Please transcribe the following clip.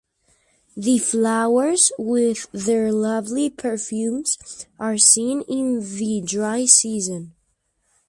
The flowers with their lovely perfume are seen in the dry season.